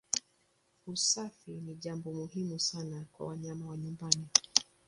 Usafi ni jambo muhimu sana kwa wanyama wa nyumbani.